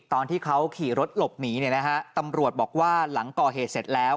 ตอนที่เขาขี่รถหลบหนีเนี่ยนะฮะตำรวจบอกว่าหลังก่อเหตุเสร็จแล้ว